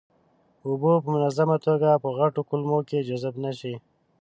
اوبه په منظمه توګه په غټو کولمو کې جذب نشي.